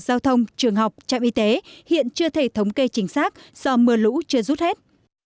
giao thông trường học trạm y tế hiện chưa thể thống kê chính xác do mưa lũ chưa rút hết